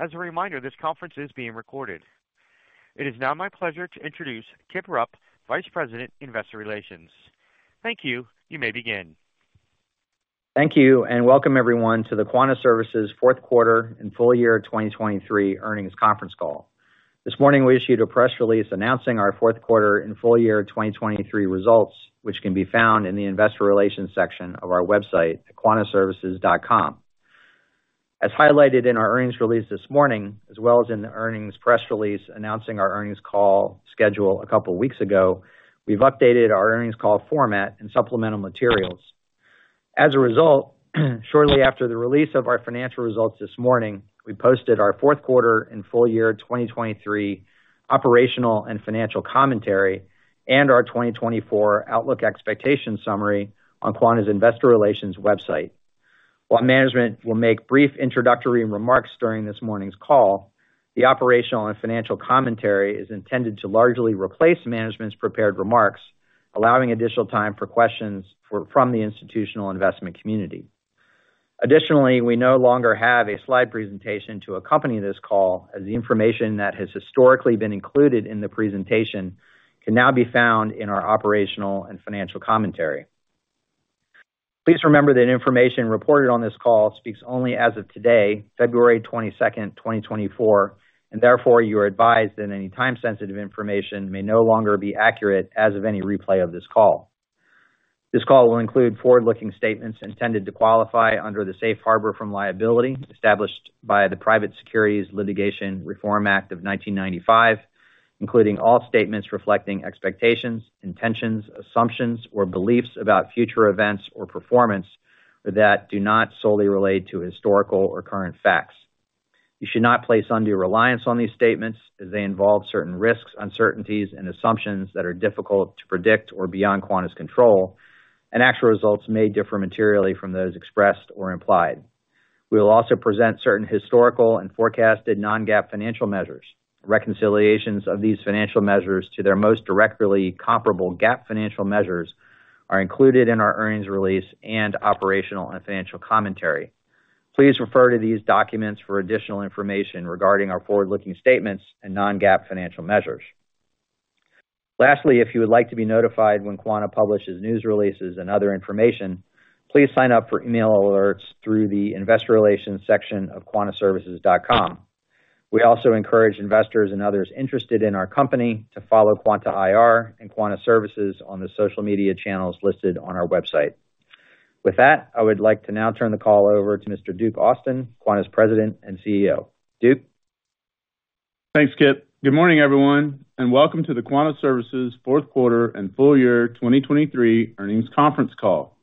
As a reminder, this conference is being recorded. It is now my pleasure to introduce Kip Rupp, Vice President, Investor Relations. Thank you, you may begin. Thank you and welcome everyone to the Quanta Services Fourth Quarter and Full Year 2023 Earnings Conference Call. This morning we issued a press release announcing our fourth quarter and full year 2023 results, which can be found in the Investor Relations section of our website at quanta.com. As highlighted in our earnings release this morning, as well as in the earnings press release announcing our earnings call schedule a couple of weeks ago, we've updated our earnings call format and supplemental materials. As a result, shortly after the release of our financial results this morning, we posted our fourth quarter and full year 2023 operational and financial commentary and our 2024 outlook expectations summary on Quanta's Investor Relations website. While management will make brief introductory remarks during this morning's call, the operational and financial commentary is intended to largely replace management's prepared remarks, allowing additional time for questions from the institutional investment community. Additionally, we no longer have a slide presentation to accompany this call, as the information that has historically been included in the presentation can now be found in our operational and financial commentary. Please remember that information reported on this call speaks only as of today, February 22nd, 2024, and therefore you are advised that any time-sensitive information may no longer be accurate as of any replay of this call. This call will include forward-looking statements intended to qualify under the Safe Harbor from Liability established by the Private Securities Litigation Reform Act of 1995, including all statements reflecting expectations, intentions, assumptions, or beliefs about future events or performance that do not solely relate to historical or current facts. You should not place undue reliance on these statements, as they involve certain risks, uncertainties, and assumptions that are difficult to predict or beyond Quanta's control, and actual results may differ materially from those expressed or implied. We will also present certain historical and forecasted non-GAAP financial measures. Reconciliations of these financial measures to their most directly comparable GAAP financial measures are included in our earnings release and operational and financial commentary. Please refer to these documents for additional information regarding our forward-looking statements and non-GAAP financial measures. Lastly, if you would like to be notified when Quanta publishes news releases and other information, please sign up for email alerts through the Investor Relations section of quantaservices.com. We also encourage investors and others interested in our company to follow Quanta IR and Quanta Services on the social media channels listed on our website. With that, I would like to now turn the call over to Mr. Duke Austin, Quanta's President and CEO. Duke. Thanks, Kip. Good morning, everyone, and welcome to the Quanta Services fourth quarter and full year 2023 earnings conference call.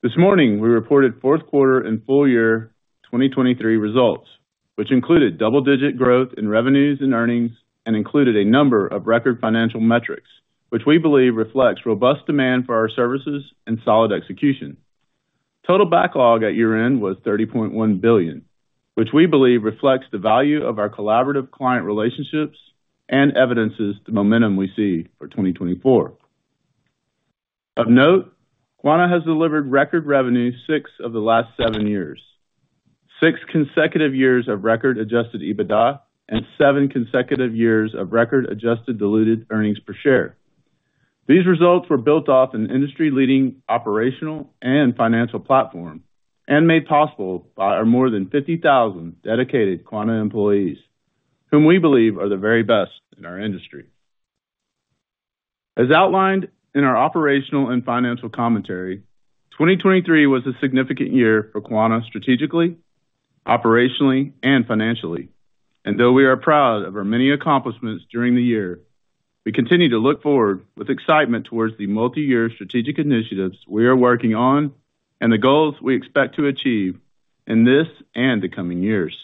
This morning we reported fourth quarter and full year 2023 results, which included double-digit growth in revenues and earnings and included a number of record financial metrics, which we believe reflects robust demand for our services and solid execution. Total backlog at year-end was $30.1 billion, which we believe reflects the value of our collaborative client relationships and evidences the momentum we see for 2024. Of note, Quanta has delivered record revenue six of the last seven years, six consecutive years of record Adjusted EBITDA, and seven consecutive years of record Adjusted Diluted Earnings Per Share. These results were built off an industry-leading operational and financial platform and made possible by our more than 50,000 dedicated Quanta employees, whom we believe are the very best in our industry. As outlined in our operational and financial commentary, 2023 was a significant year for Quanta strategically, operationally, and financially. Though we are proud of our many accomplishments during the year, we continue to look forward with excitement towards the multi-year strategic initiatives we are working on and the goals we expect to achieve in this and the coming years.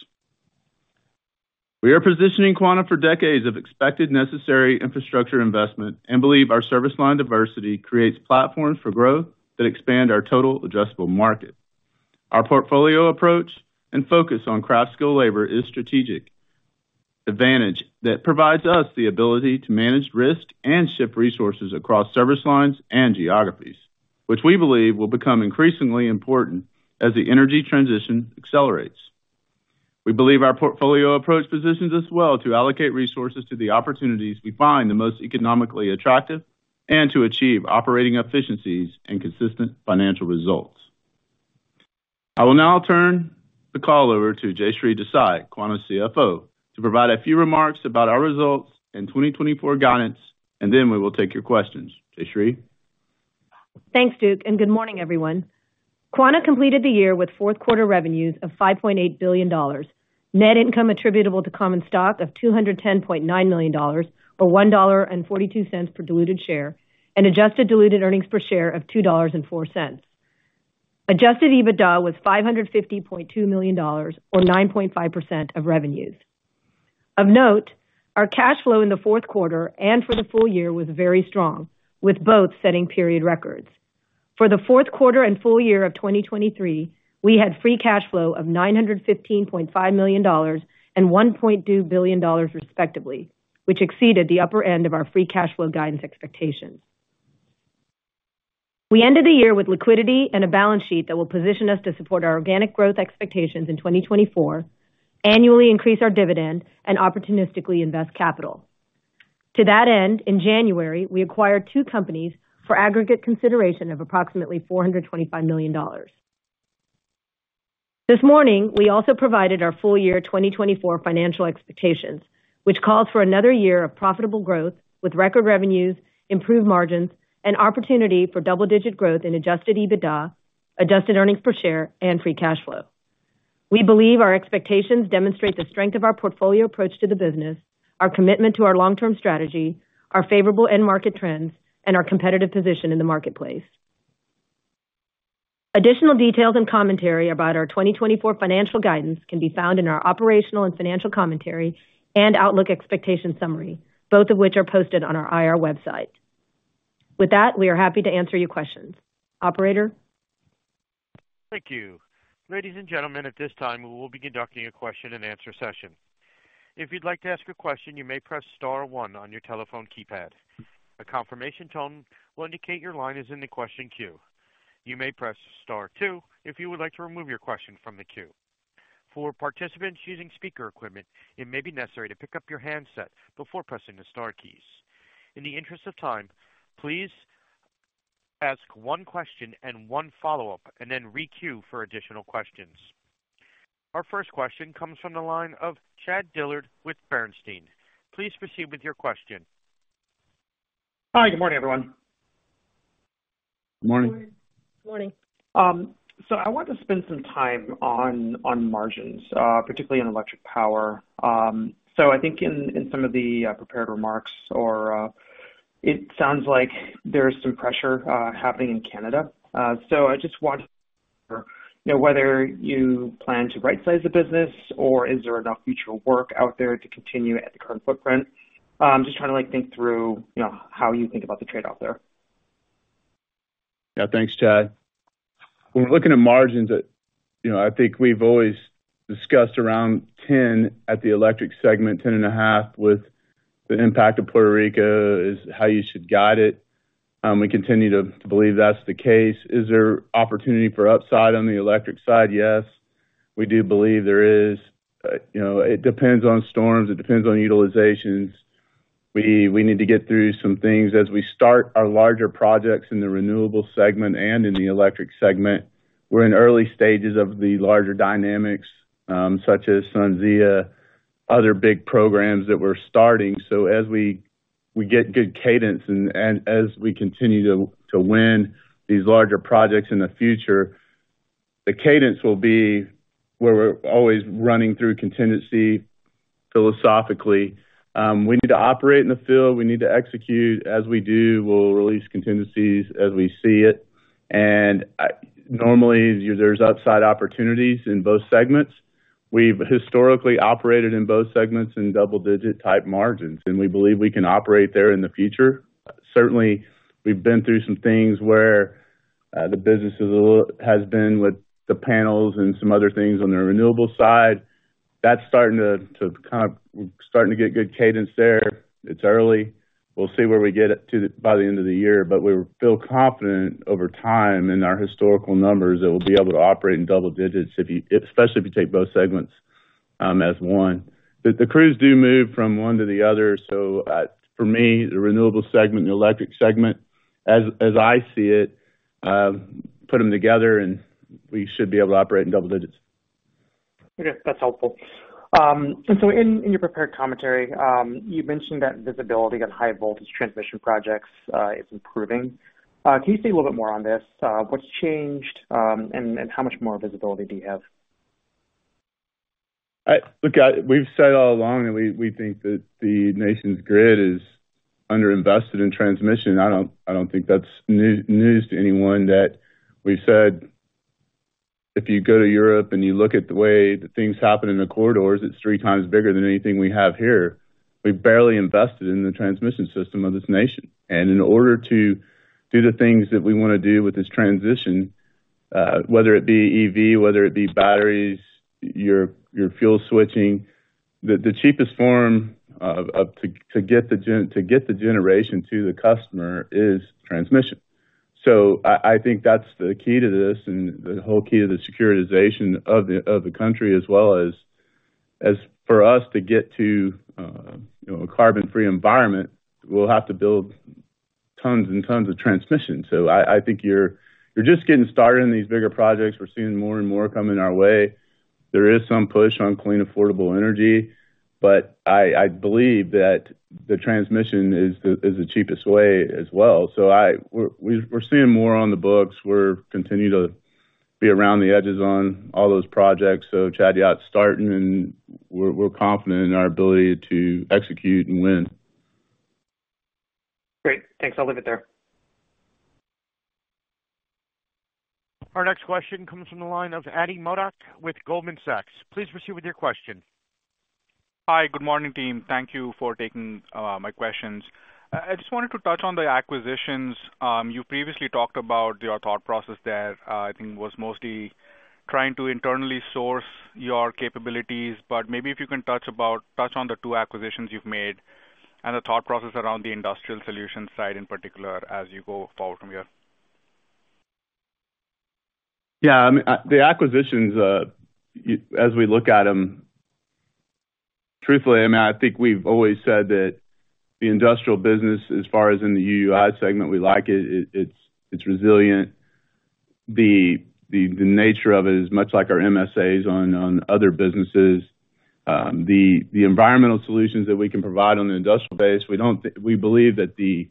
We are positioning Quanta for decades of expected necessary infrastructure investment and believe our service line diversity creates platforms for growth that expand our total addressable market. Our portfolio approach and focus on craft skill labor is strategic advantage that provides us the ability to manage risk and shift resources across service lines and geographies, which we believe will become increasingly important as the energy transition accelerates. We believe our portfolio approach positions us well to allocate resources to the opportunities we find the most economically attractive and to achieve operating efficiencies and consistent financial results. I will now turn the call over to Jayshree Desai, Quanta CFO, to provide a few remarks about our results and 2024 guidance, and then we will take your questions. Jayshree. Thanks, Duke, and good morning, everyone. Quanta completed the year with fourth quarter revenues of $5.8 billion, net income attributable to common stock of $210.9 million or $1.42 per diluted share, and adjusted diluted earnings per share of $2.04. Adjusted EBITDA was $550.2 million or 9.5% of revenues. Of note, our cash flow in the fourth quarter and for the full year was very strong, with both setting period records. For the fourth quarter and full year of 2023, we had free cash flow of $915.5 million and $1.2 billion, respectively, which exceeded the upper end of our free cash flow guidance expectations. We ended the year with liquidity and a balance sheet that will position us to support our organic growth expectations in 2024, annually increase our dividend, and opportunistically invest capital. To that end, in January, we acquired two companies for aggregate consideration of approximately $425 million. This morning we also provided our full year 2024 financial expectations, which calls for another year of profitable growth with record revenues, improved margins, and opportunity for double-digit growth in Adjusted EBITDA, adjusted earnings per share, and free cash flow. We believe our expectations demonstrate the strength of our portfolio approach to the business, our commitment to our long-term strategy, our favorable end-market trends, and our competitive position in the marketplace. Additional details and commentary about our 2024 financial guidance can be found in our operational and financial commentary and outlook expectations summary, both of which are posted on our IR website. With that, we are happy to answer your questions. Operator. Thank you. Ladies and gentlemen, at this time we will begin conducting a question and answer session. If you'd like to ask a question, you may press star one on your telephone keypad. A confirmation tone will indicate your line is in the question queue. You may press star two if you would like to remove your question from the queue. For participants using speaker equipment, it may be necessary to pick up your handset before pressing the star keys. In the interest of time, please ask one question and one follow-up and then re-queue for additional questions. Our first question comes from the line of Chad Dillard with Bernstein. Please proceed with your question. Hi, good morning, everyone. Good morning. Good morning. So I want to spend some time on margins, particularly in electric power. So I think in some of the prepared remarks, it sounds like there is some pressure happening in Canada. So I just want to know whether you plan to right-size the business or is there enough future work out there to continue at the current footprint? Just trying to think through how you think about the trade-off there. Yeah, thanks, Chad. When we're looking at margins, I think we've always discussed around 10% in the electric segment, 10.5%, with the impact of Puerto Rico is how you should guide it. We continue to believe that's the case. Is there opportunity for upside on the electric side? Yes, we do believe there is. It depends on storms. It depends on utilizations. We need to get through some things. As we start our larger projects in the renewable segment and in the electric segment, we're in early stages of the larger dynamics, such as SunZia, other big programs that we're starting. So as we get good cadence and as we continue to win these larger projects in the future, the cadence will be where we're always running through contingency philosophically. We need to operate in the field. We need to execute. As we do, we'll release contingencies as we see it. Normally, there's upside opportunities in both segments. We've historically operated in both segments in double-digit type margins, and we believe we can operate there in the future. Certainly, we've been through some things where the business has been with the panels and some other things on the renewable side. That's starting to kind of get good cadence there. It's early. We'll see where we get by the end of the year, but we feel confident over time in our historical numbers that we'll be able to operate in double digits, especially if you take both segments as one. The crews do move from one to the other. For me, the renewable segment, the electric segment, as I see it, put them together and we should be able to operate in double digits. Okay, that's helpful. And so in your prepared commentary, you mentioned that visibility on high voltage transmission projects is improving. Can you say a little bit more on this? What's changed and how much more visibility do you have? Look, we've said all along that we think that the nation's grid is underinvested in transmission. I don't think that's news to anyone. We've said if you go to Europe and you look at the way that things happen in the corridors, it's three times bigger than anything we have here. We've barely invested in the transmission system of this nation. And in order to do the things that we want to do with this transition, whether it be EV, whether it be batteries, your fuel switching, the cheapest form to get the generation to the customer is transmission. So I think that's the key to this and the whole key to the securitization of the country, as well as for us to get to a carbon-free environment, we'll have to build tons and tons of transmission. So I think you're just getting started in these bigger projects. We're seeing more and more come in our way. There is some push on clean, affordable energy, but I believe that the transmission is the cheapest way as well. So we're seeing more on the books. We're continuing to be around the edges on all those projects. So Chad, you're out starting and we're confident in our ability to execute and win. Great. Thanks. I'll leave it there. Our next question comes from the line of Ati Modak with Goldman Sachs. Please proceed with your question. Hi, good morning, team. Thank you for taking my questions. I just wanted to touch on the acquisitions. You previously talked about your thought process there. I think it was mostly trying to internally source your capabilities, but maybe if you can touch on the two acquisitions you've made and the thought process around the industrial solution side in particular as you go forward from here. Yeah, I mean, the acquisitions, as we look at them, truthfully, I mean, I think we've always said that the industrial business, as far as in the UUI segment, we like it. It's resilient. The nature of it is much like our MSAs on other businesses. The environmental solutions that we can provide on the industrial base, we believe that the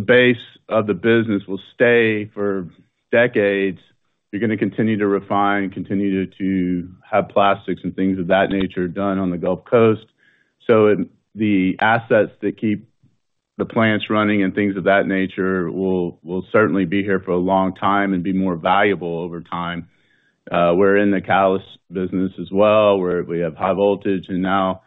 base of the business will stay for decades. You're going to continue to refine, continue to have plastics and things of that nature done on the Gulf Coast. So the assets that keep the plants running and things of that nature will certainly be here for a long time and be more valuable over time. We're in the catalyst business as well where we have high voltage and now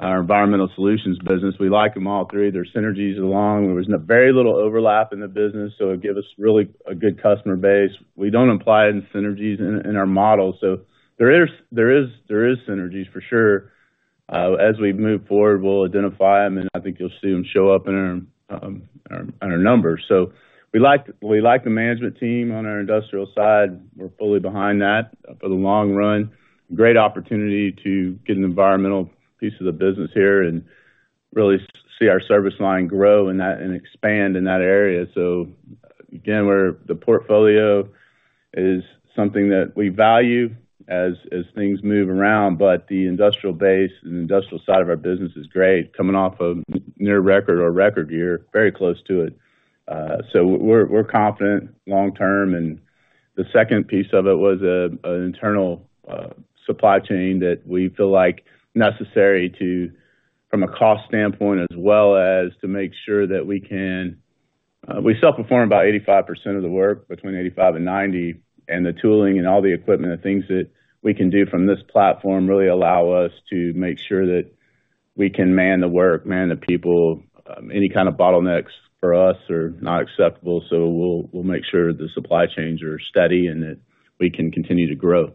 our environmental solutions business. We like them all three. There's synergies along. There was very little overlap in the business, so it gave us really a good customer base. We don't apply synergies in our model, so there is synergies for sure. As we move forward, we'll identify them, and I think you'll see them show up in our numbers. So we like the management team on our industrial side. We're fully behind that for the long run. Great opportunity to get an environmental piece of the business here and really see our service line grow and expand in that area. So again, the portfolio is something that we value as things move around, but the industrial base and industrial side of our business is great, coming off of near record or record year, very close to it. So we're confident long term. The second piece of it was an internal supply chain that we feel necessary from a cost standpoint as well as to make sure that we can self-perform about 85% of the work, between 85%-90%, and the tooling and all the equipment, the things that we can do from this platform really allow us to make sure that we can man the work, man the people. Any kind of bottlenecks for us are not acceptable, so we'll make sure the supply chains are steady and that we can continue to grow.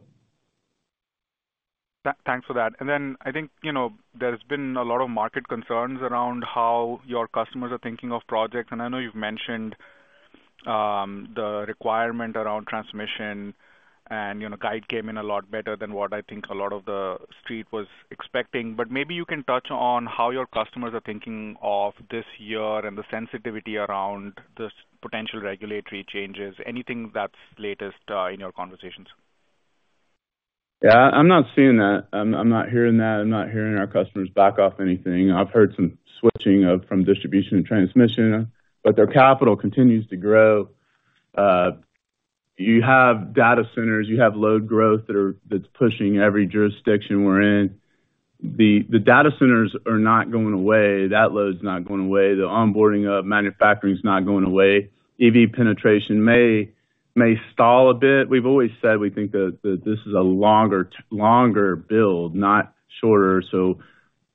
Thanks for that. And then I think there's been a lot of market concerns around how your customers are thinking of projects. And I know you've mentioned the requirement around transmission, and guidance came in a lot better than what I think a lot of the street was expecting. But maybe you can touch on how your customers are thinking of this year and the sensitivity around the potential regulatory changes, anything that's latest in your conversations. Yeah, I'm not seeing that. I'm not hearing that. I'm not hearing our customers back off anything. I've heard some switching from distribution and transmission, but their capital continues to grow. You have data centers. You have load growth that's pushing every jurisdiction we're in. The data centers are not going away. That load's not going away. The onboarding of manufacturing's not going away. EV penetration may stall a bit. We've always said we think that this is a longer build, not shorter. So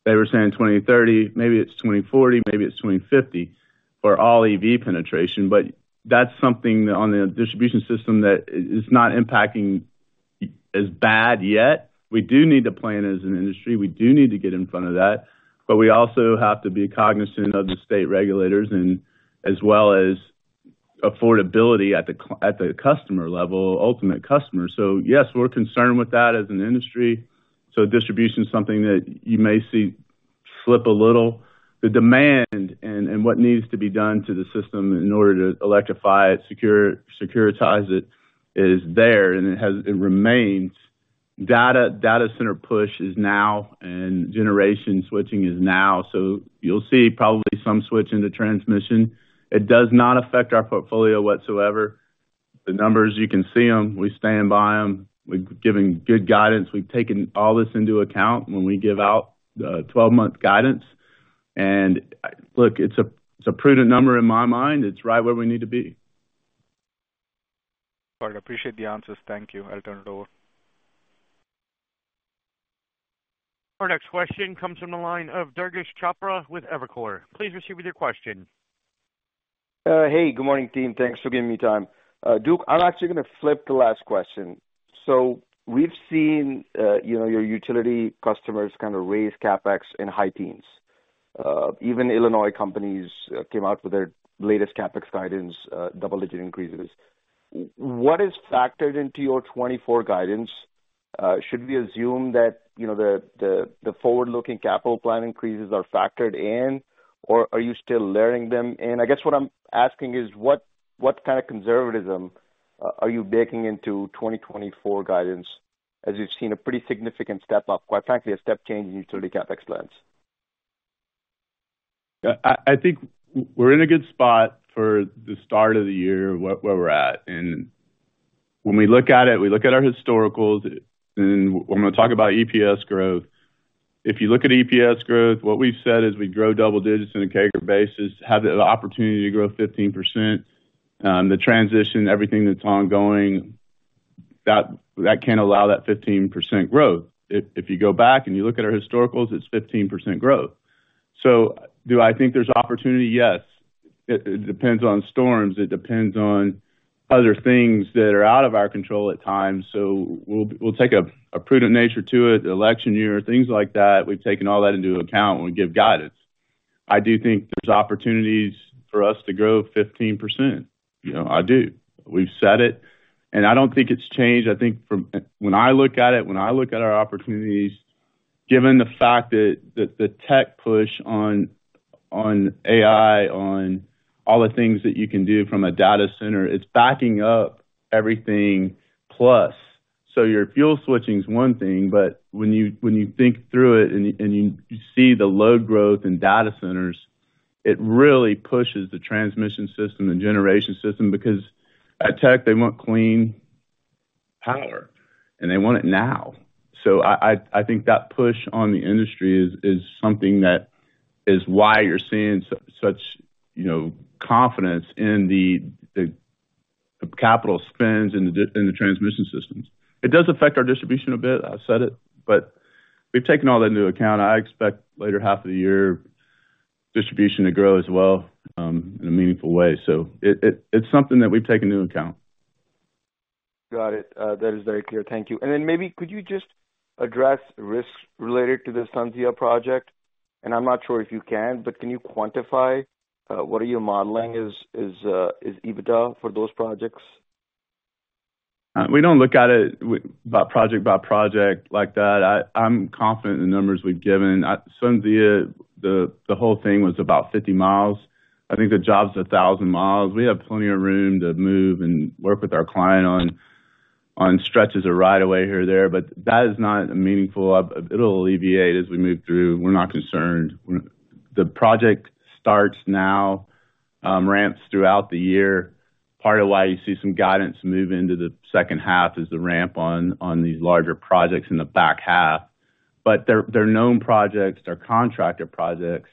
they were saying 2030. Maybe it's 2040. Maybe it's 2050 for all EV penetration. But that's something on the distribution system that is not impacting as bad yet. We do need to plan as an industry. We do need to get in front of that. But we also have to be cognizant of the state regulators as well as affordability at the customer level, ultimate customer. So yes, we're concerned with that as an industry. Distribution is something that you may see slip a little. The demand and what needs to be done to the system in order to electrify it, securitize it is there, and it remains. Data center push is now, and generation switching is now. You'll see probably some switch into transmission. It does not affect our portfolio whatsoever. The numbers, you can see them. We stand by them. We've given good guidance. We've taken all this into account when we give out the 12-month guidance. Look, it's a prudent number in my mind. It's right where we need to be. All right. Appreciate the answers. Thank you. I'll turn it over. Our next question comes from the line of Durgesh Chopra with Evercore. Please proceed with your question. Hey, good morning, team. Thanks for giving me time. Duke, I'm actually going to flip the last question. So we've seen your utility customers kind of raise CapEx in high teens. Even Illinois companies came out with their latest CapEx guidance, double-digit increases. What is factored into your 2024 guidance? Should we assume that the forward-looking capital plan increases are factored in, or are you still luring them in? I guess what I'm asking is what kind of conservatism are you baking into 2024 guidance as you've seen a pretty significant step up, quite frankly, a step change in utility CapEx plans? I think we're in a good spot for the start of the year where we're at. And when we look at it, we look at our historicals, and when we talk about EPS growth, if you look at EPS growth, what we've said is we grow double digits on a CAGR basis, have the opportunity to grow 15%. The transition, everything that's ongoing, that can't allow that 15% growth. If you go back and you look at our historicals, it's 15% growth. So do I think there's opportunity? Yes. It depends on storms. It depends on other things that are out of our control at times. So we'll take a prudent nature to it, election year, things like that. We've taken all that into account when we give guidance. I do think there's opportunities for us to grow 15%. I do. We've set it. And I don't think it's changed. I think when I look at it, when I look at our opportunities, given the fact that the tech push on AI, on all the things that you can do from a data center, it's backing up everything plus. So your fuel switching is one thing, but when you think through it and you see the load growth in data centers, it really pushes the transmission system and generation system because at tech, they want clean power, and they want it now. So I think that push on the industry is something that is why you're seeing such confidence in the capital spends in the transmission systems. It does affect our distribution a bit. I've said it, but we've taken all that into account. I expect later half of the year, distribution to grow as well in a meaningful way. So it's something that we've taken into account. Got it. That is very clear. Thank you. And then maybe could you just address risks related to the SunZia project? And I'm not sure if you can, but can you quantify what are you modeling as EBITDA for those projects? We don't look at it project by project like that. I'm confident in the numbers we've given. SunZia, the whole thing was about 50 miles. I think the job's 1,000 miles. We have plenty of room to move and work with our client on stretches of right-of-way here or there, but that is not meaningful. It'll alleviate as we move through. We're not concerned. The project starts now, ramps throughout the year. Part of why you see some guidance move into the second half is the ramp on these larger projects in the back half. But they're known projects. They're contractor projects.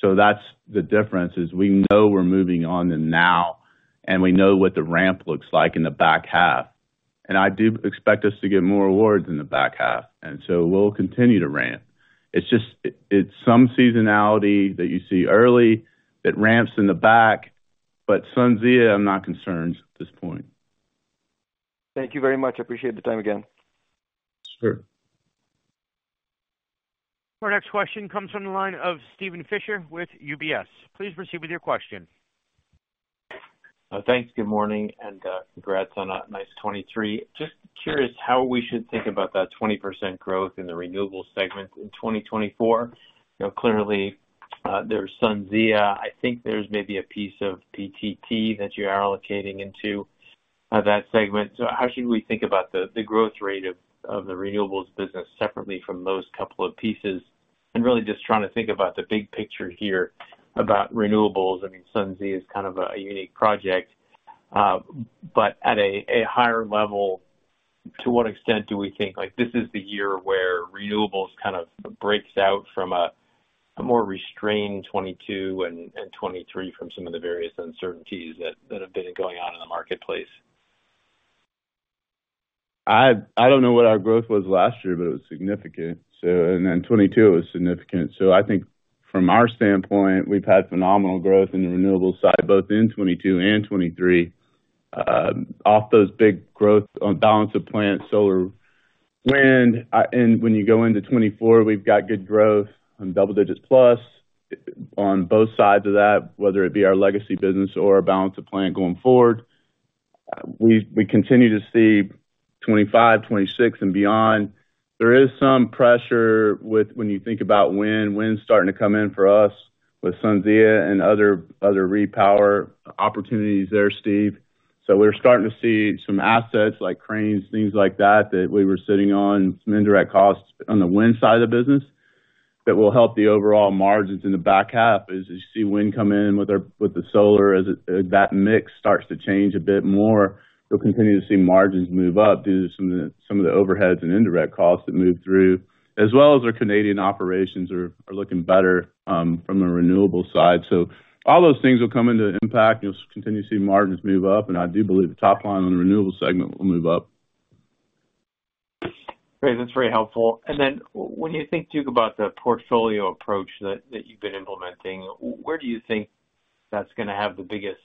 So that's the difference is we know we're moving on them now, and we know what the ramp looks like in the back half. And I do expect us to get more awards in the back half. And so we'll continue to ramp. It's some seasonality that you see early that ramps in the back, but SunZia, I'm not concerned at this point. Thank you very much. Appreciate the time again. Sure. Our next question comes from the line of Steven Fisher with UBS. Please proceed with your question. Thanks. Good morning and congrats on a nice 2023. Just curious how we should think about that 20% growth in the renewables segment in 2024. Clearly, there's SunZia. I think there's maybe a piece of PTT that you are allocating into that segment. So how should we think about the growth rate of the renewables business separately from those couple of pieces? And really just trying to think about the big picture here about renewables. I mean, SunZia is kind of a unique project. But at a higher level, to what extent do we think this is the year where renewables kind of breaks out from a more restrained 2022 and 2023 from some of the various uncertainties that have been going on in the marketplace? I don't know what our growth was last year, but it was significant. 2022, it was significant. I think from our standpoint, we've had phenomenal growth in the renewables side both in 2022 and 2023 off those big growth on balance of plants, solar, wind. When you go into 2024, we've got good growth on double digits plus on both sides of that, whether it be our legacy business or our balance of plant going forward. We continue to see 2025, 2026, and beyond. There is some pressure when you think about wind, wind starting to come in for us with SunZia and other repower opportunities there, Steve. We're starting to see some assets like cranes, things like that that we were sitting on, some indirect costs on the wind side of the business that will help the overall margins in the back half. As you see wind come in with the solar, as that mix starts to change a bit more, you'll continue to see margins move up due to some of the overheads and indirect costs that move through, as well as our Canadian operations are looking better from the renewable side. So all those things will come into impact, and you'll continue to see margins move up. And I do believe the top line on the renewable segment will move up. Great. That's very helpful. And then when you think, Duke, about the portfolio approach that you've been implementing, where do you think that's going to have the biggest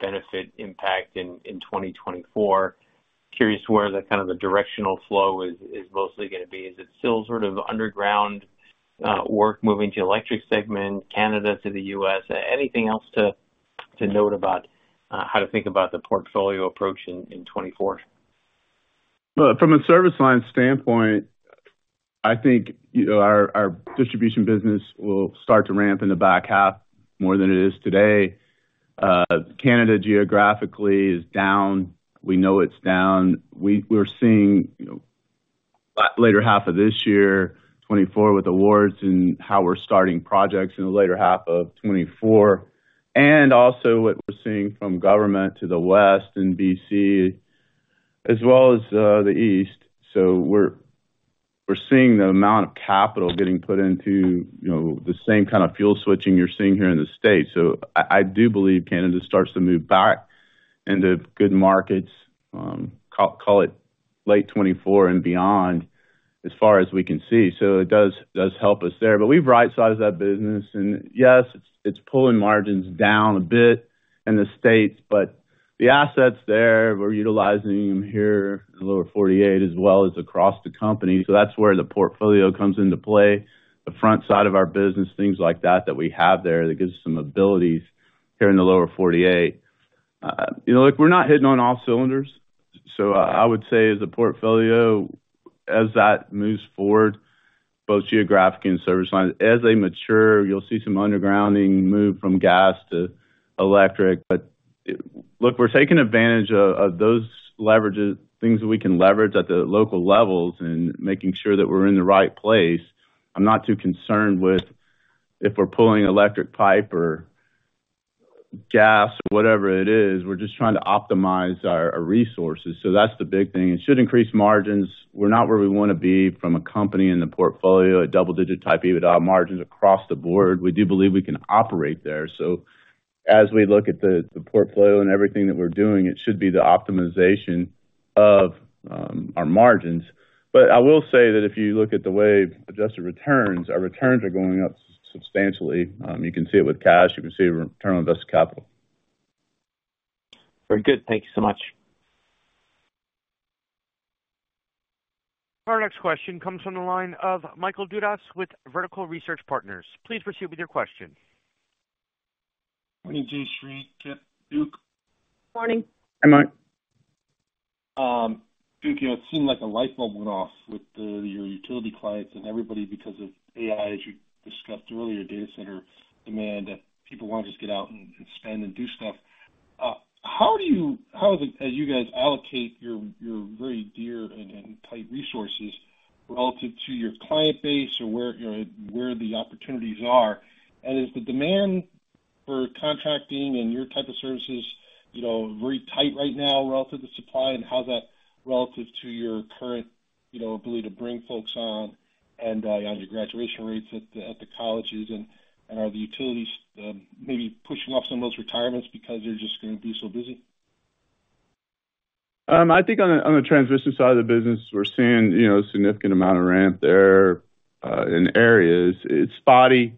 benefit impact in 2024? Curious where kind of the directional flow is mostly going to be. Is it still sort of underground work moving to the electric segment, Canada to the U.S.? Anything else to note about how to think about the portfolio approach in 2024? Well, from a service line standpoint, I think our distribution business will start to ramp in the back half more than it is today. Canada geographically is down. We know it's down. We're seeing later half of this year, 2024, with awards and how we're starting projects in the later half of 2024. And also what we're seeing from government to the west and BC, as well as the east. So we're seeing the amount of capital getting put into the same kind of fuel switching you're seeing here in the states. So I do believe Canada starts to move back into good markets, call it late 2024 and beyond, as far as we can see. So it does help us there. But we've right-sized that business. Yes, it's pulling margins down a bit in the states, but the assets there, we're utilizing them here in the lower '48 as well as across the company. So that's where the portfolio comes into play, the front side of our business, things like that that we have there that gives us some abilities here in the lower '48. Look, we're not hitting on all cylinders. So I would say as the portfolio, as that moves forward, both geographically and service lines, as they mature, you'll see some undergrounding move from gas to electric. But look, we're taking advantage of those leverages, things that we can leverage at the local levels and making sure that we're in the right place. I'm not too concerned with if we're pulling electric pipe or gas or whatever it is. We're just trying to optimize our resources. So that's the big thing. It should increase margins. We're not where we want to be from a company in the portfolio, a double-digit type EBITDA margins across the board. We do believe we can operate there. So as we look at the portfolio and everything that we're doing, it should be the optimization of our margins. But I will say that if you look at the way adjusted returns, our returns are going up substantially. You can see it with cash. You can see return on invested capital. Very good. Thank you so much. Our next question comes from the line of Michael Dudas with Vertical Research Partners. Please proceed with your question. Morning, Jayshree. Duke. Morning. Hi, Mike. Duke, it seemed like a light bulb went off with your utility clients and everybody because of AI, as you discussed earlier, data center demand that people want to just get out and spend and do stuff. How, as you guys allocate your very dear and tight resources relative to your client base or where the opportunities are? And is the demand for contracting and your type of services very tight right now relative to supply? And how's that relative to your current ability to bring folks on and on your graduation rates at the colleges? And are the utilities maybe pushing off some of those retirements because they're just going to be so busy? I think on the transmission side of the business, we're seeing a significant amount of ramp there in areas. It's spotty.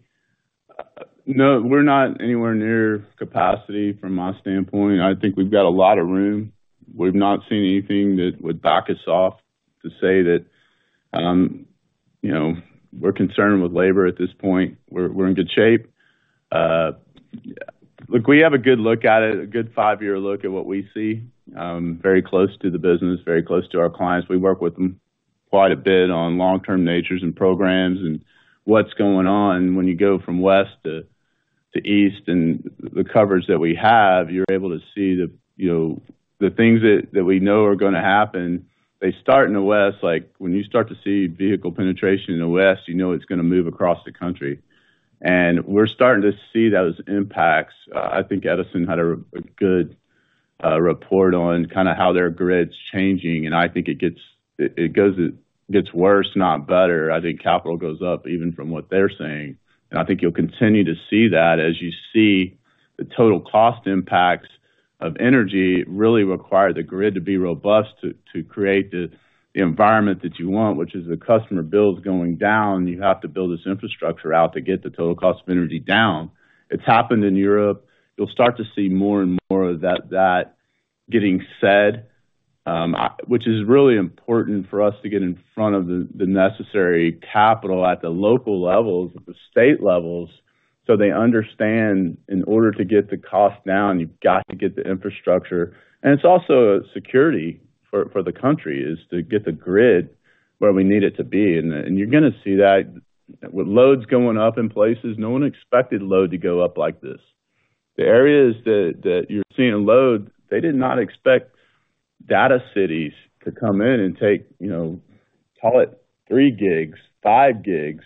We're not anywhere near capacity from my standpoint. I think we've got a lot of room. We've not seen anything that would back us off to say that we're concerned with labor at this point. We're in good shape. Look, we have a good look at it, a good five-year look at what we see, very close to the business, very close to our clients. We work with them quite a bit on long-term natures and programs and what's going on. When you go from west to east and the coverage that we have, you're able to see the things that we know are going to happen. They start in the west. When you start to see vehicle penetration in the west, you know it's going to move across the country. And we're starting to see those impacts. I think Edison had a good report on kind of how their grid's changing. And I think it gets worse, not better. I think capital goes up even from what they're saying. And I think you'll continue to see that as you see the total cost impacts of energy really require the grid to be robust to create the environment that you want, which is the customer bills going down. You have to build this infrastructure out to get the total cost of energy down. It's happened in Europe. You'll start to see more and more of that getting said, which is really important for us to get in front of the necessary capital at the local levels, at the state levels. So they understand in order to get the cost down, you've got to get the infrastructure. And it's also a security for the country is to get the grid where we need it to be. And you're going to see that with loads going up in places. No one expected load to go up like this. The areas that you're seeing load, they did not expect data centers to come in and take, call it, 3 gigs, 5 gigs.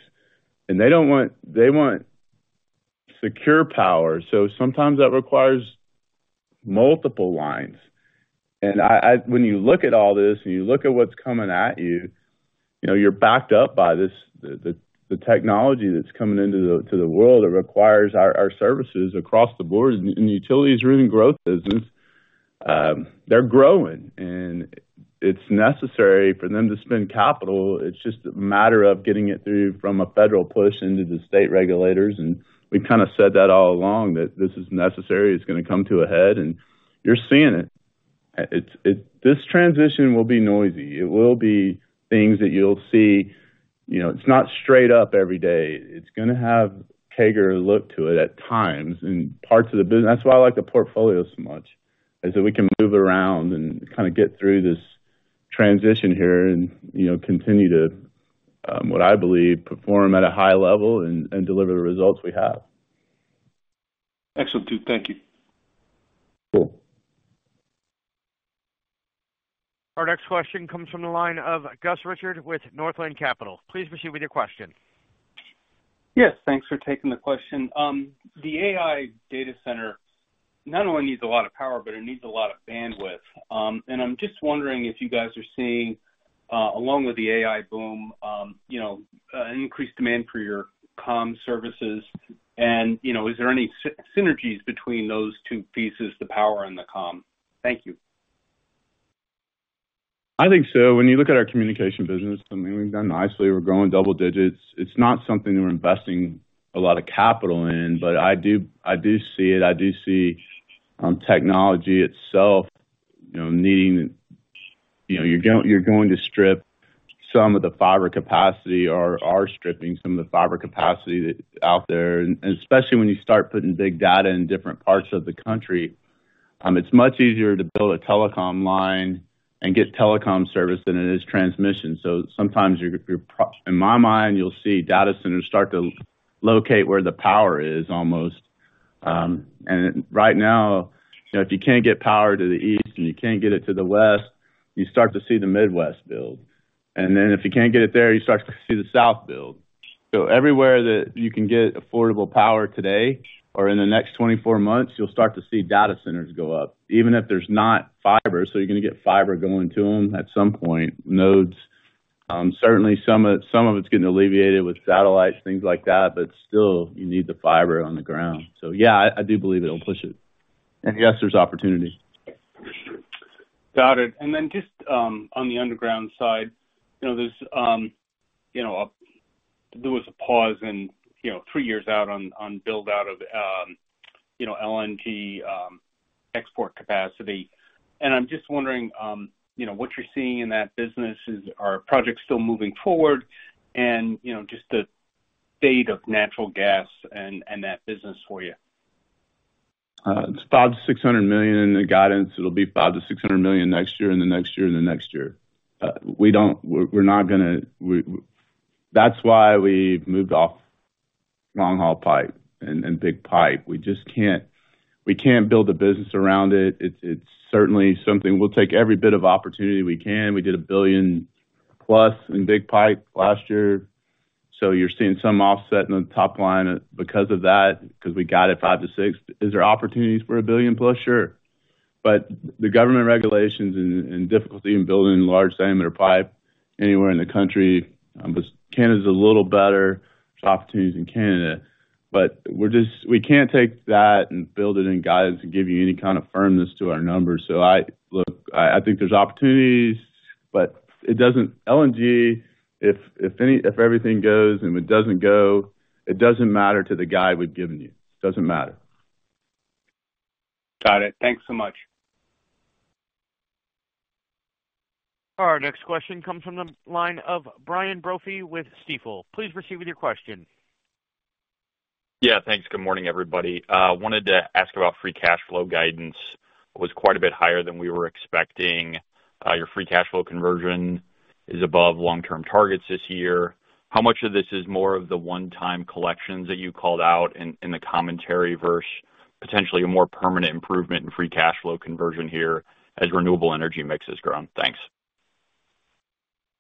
And they want secure power. So sometimes that requires multiple lines. And when you look at all this and you look at what's coming at you, you're backed up by the technology that's coming into the world that requires our services across the board. And the utility's really in growth business. They're growing. And it's necessary for them to spend capital. It's just a matter of getting it through from a federal push into the state regulators. And we've kind of said that all along, that this is necessary. It's going to come to a head. And you're seeing it. This transition will be noisy. It will be things that you'll see. It's not straight up every day. It's going to have CAGR look to it at times in parts of the business. That's why I like the portfolio so much, is that we can move around and kind of get through this transition here and continue to, what I believe, perform at a high level and deliver the results we have. Excellent, Duke. Thank you. Cool. Our next question comes from the line of Gus Richard with Northland Capital. Please proceed with your question. Yes. Thanks for taking the question. The AI data center not only needs a lot of power, but it needs a lot of bandwidth. And I'm just wondering if you guys are seeing, along with the AI boom, an increased demand for your comm services. And is there any synergies between those two pieces, the power and the comm? Thank you. I think so. When you look at our communication business, I mean, we've done nicely. We're growing double digits. It's not something that we're investing a lot of capital in, but I do see it. I do see technology itself needing. You're going to strip some of the fiber capacity or are stripping some of the fiber capacity out there. And especially when you start putting big data in different parts of the country, it's much easier to build a telecom line and get telecom service than it is transmission. So sometimes, in my mind, you'll see data centers start to locate where the power is almost. And right now, if you can't get power to the East and you can't get it to the West, you start to see the Midwest build. And then if you can't get it there, you start to see the South build. So everywhere that you can get affordable power today or in the next 24 months, you'll start to see data centers go up, even if there's not fiber. So you're going to get fiber going to them at some point, nodes. Certainly, some of it's getting alleviated with satellites, things like that, but still, you need the fiber on the ground. So yeah, I do believe it'll push it. And yes, there's opportunity. Got it. And then just on the underground side, there was a pause three years out on build-out of LNG export capacity. And I'm just wondering what you're seeing in that business. Are projects still moving forward? And just the state of natural gas and that business for you. It's $500 million-$600 million in the guidance. It'll be $500 million-$600 million next year and the next year and the next year. We're not going to. That's why we've moved off long-haul pipe and big pipe. We can't build a business around it. It's certainly something we'll take every bit of opportunity we can. We did $1 billion-plus in big pipe last year. So you're seeing some offset in the top line because of that, because we got it $500-$600. Is there opportunities for a billion-plus? Sure. But the government regulations and difficulty in building large-diameter pipe anywhere in the country. Canada's a little better. There's opportunities in Canada. But we can't take that and build it in guidance and give you any kind of firmness to our numbers. So look, I think there's opportunities, but LNG, if everything goes and it doesn't go, it doesn't matter to the guide we've given you. It doesn't matter. Got it. Thanks so much. Our next question comes from the line of Brian Brophy with Stifel. Please proceed with your question. Yeah. Thanks. Good morning, everybody. Wanted to ask about free cash flow guidance. It was quite a bit higher than we were expecting. Your free cash flow conversion is above long-term targets this year. How much of this is more of the one-time collections that you called out in the commentary versus potentially a more permanent improvement in free cash flow conversion here as renewable energy mix has grown? Thanks.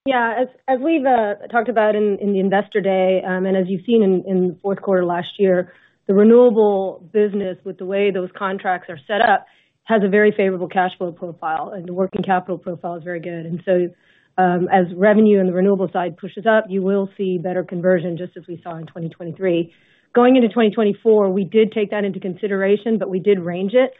Yeah. As we've talked about in the investor day and as you've seen in the fourth quarter last year, the renewable business, with the way those contracts are set up, has a very favorable cash flow profile. The working capital profile is very good. So as revenue and the renewable side pushes up, you will see better conversion just as we saw in 2023. Going into 2024, we did take that into consideration, but we did range it.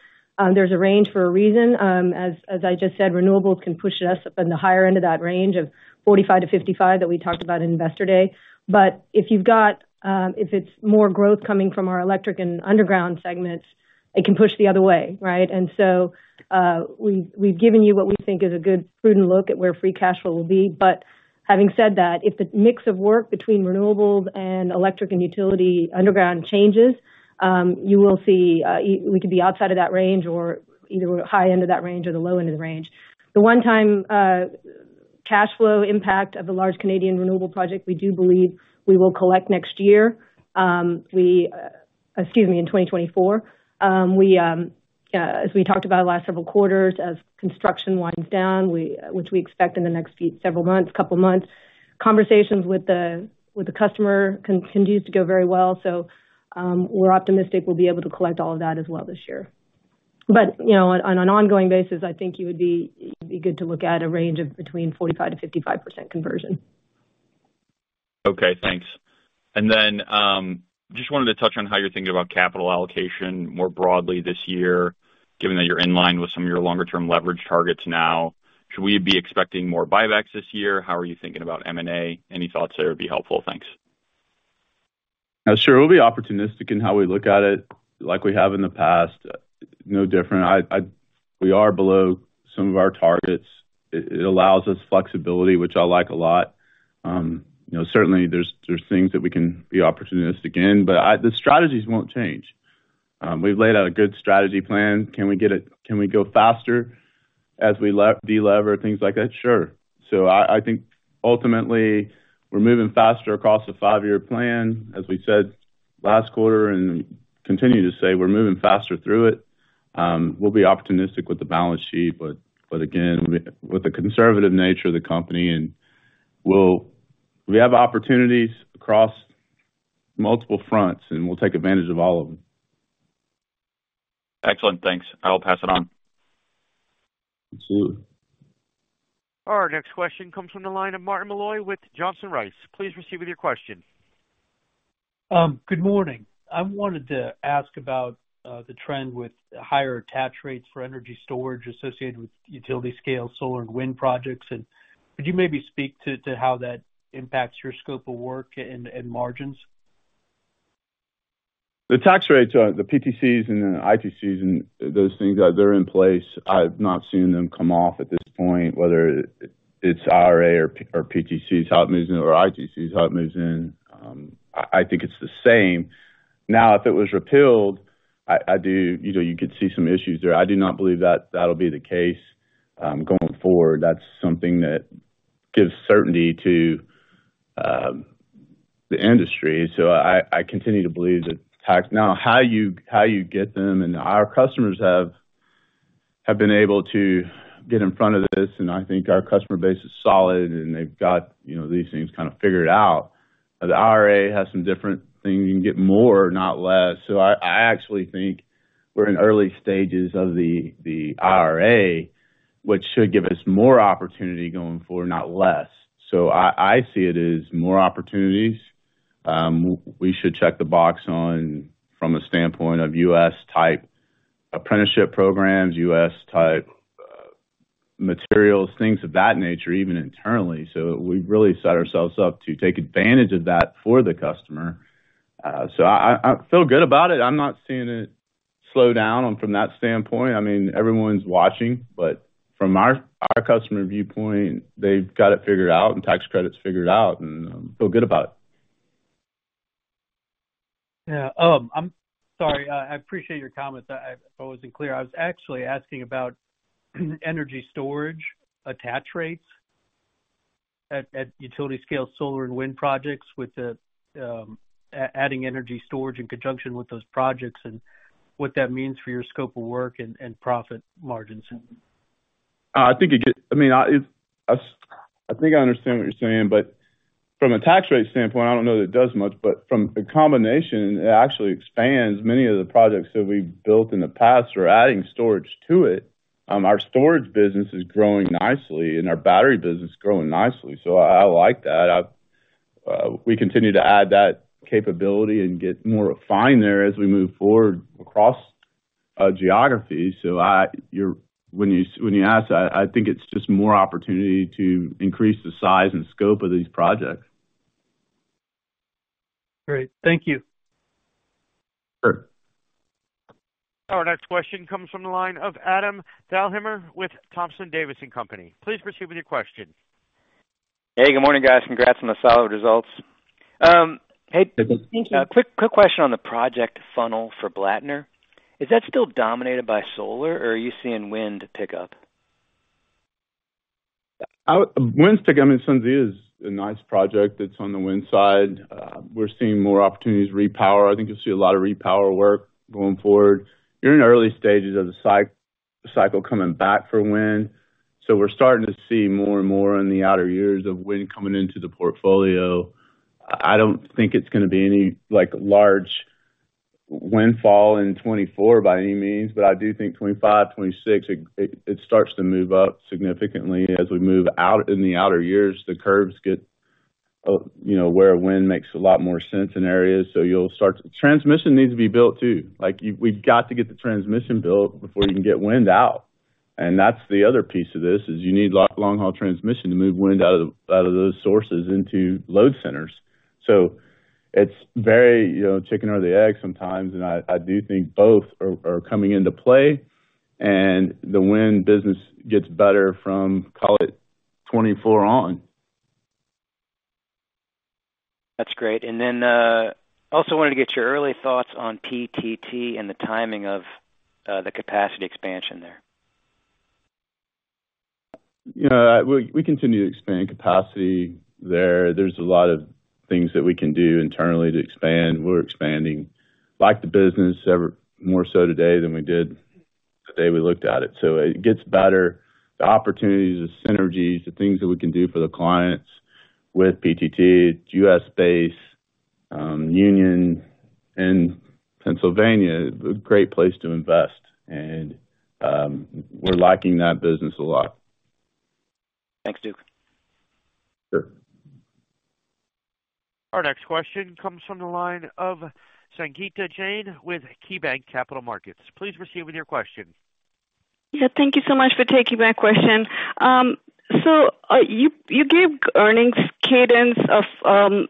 There's a range for a reason. As I just said, renewables can push us up in the higher end of that range of 45-55 that we talked about in investor day. But if it's more growth coming from our electric and underground segments, it can push the other way, right? So we've given you what we think is a good, prudent look at where free cash flow will be. But having said that, if the mix of work between renewables and electric and utility underground changes, you will see we could be outside of that range or either high end of that range or the low end of the range. The one-time cash flow impact of the large Canadian renewable project, we do believe we will collect next year. Excuse me, in 2024. As we talked about the last several quarters, as construction winds down, which we expect in the next several months, couple of months, conversations with the customer continues to go very well. So we're optimistic we'll be able to collect all of that as well this year. On an ongoing basis, I think you would be good to look at a range of between 45%-55% conversion. Okay. Thanks. And then just wanted to touch on how you're thinking about capital allocation more broadly this year, given that you're in line with some of your longer-term leverage targets now. Should we be expecting more buybacks this year? How are you thinking about M&A? Any thoughts there would be helpful. Thanks. Sure. We'll be opportunistic in how we look at it like we have in the past. No different. We are below some of our targets. It allows us flexibility, which I like a lot. Certainly, there's things that we can be opportunistic in, but the strategies won't change. We've laid out a good strategy plan. Can we get it? Can we go faster as we delever? Things like that. Sure. So I think ultimately, we're moving faster across a five-year plan, as we said last quarter and continue to say we're moving faster through it. We'll be opportunistic with the balance sheet, but again, with the conservative nature of the company, and we have opportunities across multiple fronts, and we'll take advantage of all of them. Excellent. Thanks. I'll pass it on. Absolutely. Our next question comes from the line of Martin Malloy with Johnson Rice. Please proceed with your question. Good morning. I wanted to ask about the trend with higher tax rates for energy storage associated with utility-scale solar and wind projects. Could you maybe speak to how that impacts your scope of work and margins? The tax rates, the PTCs and the ITCs and those things, they're in place. I've not seen them come off at this point, whether it's IRA or PTCs, how it moves in, or ITCs, how it moves in. I think it's the same. Now, if it was repealed, you could see some issues there. I do not believe that that'll be the case going forward. That's something that gives certainty to the industry. So I continue to believe the tax now, how you get them, and our customers have been able to get in front of this, and I think our customer base is solid, and they've got these things kind of figured out. The IRA has some different things. You can get more, not less. So I actually think we're in early stages of the IRA, which should give us more opportunity going forward, not less. So I see it as more opportunities. We should check the box on from a standpoint of U.S.-type apprenticeship programs, U.S.-type materials, things of that nature, even internally. So we've really set ourselves up to take advantage of that for the customer. So I feel good about it. I'm not seeing it slow down from that standpoint. I mean, everyone's watching, but from our customer viewpoint, they've got it figured out, and tax credit's figured out, and I feel good about it. Yeah. I'm sorry. I appreciate your comments. If I wasn't clear, I was actually asking about energy storage attach rates at utility-scale solar and wind projects, with adding energy storage in conjunction with those projects, and what that means for your scope of work and profit margins. I mean, I think I understand what you're saying, but from a tax rate standpoint, I don't know that it does much. But from a combination, it actually expands many of the projects that we've built in the past or adding storage to it. Our storage business is growing nicely, and our battery business is growing nicely. So I like that. We continue to add that capability and get more refined there as we move forward across geography. So when you ask, I think it's just more opportunity to increase the size and scope of these projects. Great. Thank you. Sure. Our next question comes from the line of Adam Thalhimer with Thompson Davis Company. Please proceed with your question. Hey. Good morning, guys. Congrats on the solid results. Hey. Hey, Duke. Thank you. Quick question on the project funnel for Blattner. Is that still dominated by solar, or are you seeing wind pick up? Wind's picking up. I mean, SunZia is a nice project that's on the wind side. We're seeing more opportunities to repower. I think you'll see a lot of repower work going forward. You're in early stages of the cycle coming back for wind. So we're starting to see more and more in the outer years of wind coming into the portfolio. I don't think it's going to be any large windfall in 2024 by any means, but I do think 2025, 2026, it starts to move up significantly. As we move out in the outer years, the curves get where wind makes a lot more sense in areas. So you'll start to transmission needs to be built too. We've got to get the transmission built before you can get wind out. That's the other piece of this, is you need long-haul transmission to move wind out of those sources into load centers. It's very chicken or the egg sometimes, and I do think both are coming into play. The wind business gets better from, call it, 2024 on. That's great. And then also wanted to get your early thoughts on PTT and the timing of the capacity expansion there. We continue to expand capacity there. There's a lot of things that we can do internally to expand. We're expanding the business more so today than we did the day we looked at it. So it gets better. The opportunities, the synergies, the things that we can do for the clients with PTT, U.S.-based, Union, and Pennsylvania, a great place to invest. And we're liking that business a lot. Thanks, Duke. Sure. Our next question comes from the line of Sangita Jain with KeyBanc Capital Markets. Please proceed with your question. Yeah. Thank you so much for taking my question. You gave earnings cadence,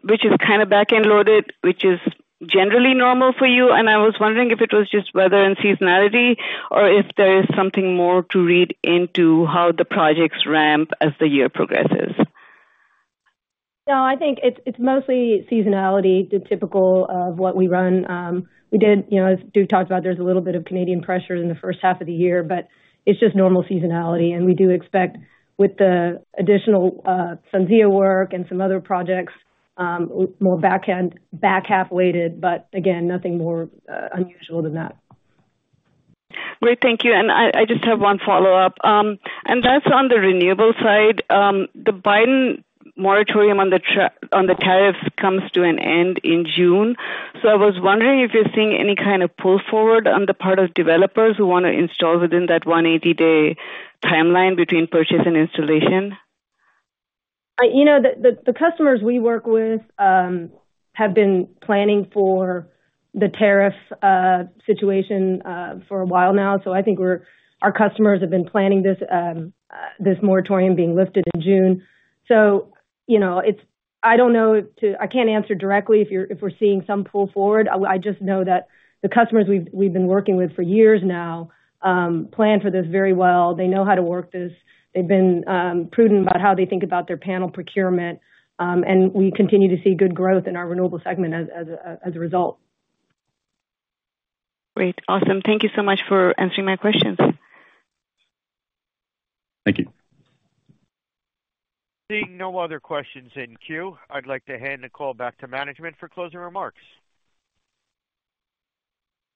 which is kind of back-end loaded, which is generally normal for you. I was wondering if it was just weather and seasonality or if there is something more to read into how the projects ramp as the year progresses? No. I think it's mostly seasonality, the typical of what we run. As Duke talked about, there's a little bit of Canadian pressure in the first half of the year, but it's just normal seasonality. We do expect, with the additional SunZia work and some other projects, more back-half weighted, but again, nothing more unusual than that. Great. Thank you. And I just have one follow-up. And that's on the renewable side. The Biden moratorium on the tariffs comes to an end in June. So I was wondering if you're seeing any kind of pull forward on the part of developers who want to install within that 180-day timeline between purchase and installation. The customers we work with have been planning for the tariff situation for a while now. I think our customers have been planning this moratorium being lifted in June. I don't know if, too, I can't answer directly if we're seeing some pull forward. I just know that the customers we've been working with for years now plan for this very well. They know how to work this. They've been prudent about how they think about their panel procurement. We continue to see good growth in our renewable segment as a result. Great. Awesome. Thank you so much for answering my questions. Thank you. Seeing no other questions in queue, I'd like to hand the call back to management for closing remarks.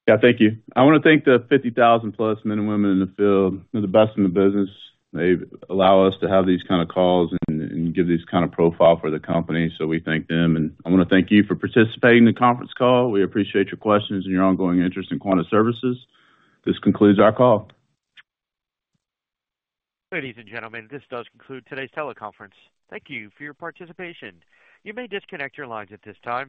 Yeah. Thank you. I want to thank the 50,000+ men and women in the field. They're the best in the business. They allow us to have these kind of calls and give this kind of profile for the company. So we thank them. I want to thank you for participating in the conference call. We appreciate your questions and your ongoing interest in Quanta Services. This concludes our call. Ladies and gentlemen, this does conclude today's teleconference. Thank you for your participation. You may disconnect your lines at this time.